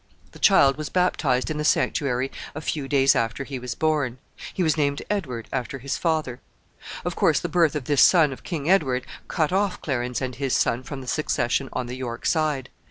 The child was baptized in the sanctuary a few days after he was born. He was named Edward, after his father. Of course, the birth of this son of King Edward cut off Clarence and his son from the succession on the York side.